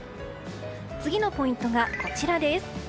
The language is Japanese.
次のポイントがこちらです。